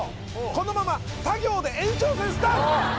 このままた行で延長戦スタート！